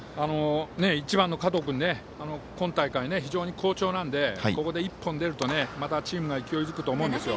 １番の加藤君今大会、非常に好調なのでここで１本出るとチームに勢いがつくと思うんです。